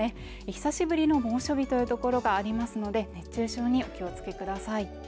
久しぶりの猛暑日というところがありますので熱中症にお気をつけください。